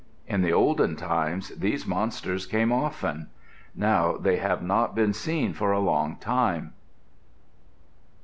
In the olden times, these monsters came often. Now they have not been seen for a long time.